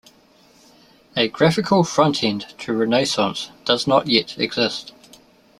A graphical frontend to Renaissance does not yet exist.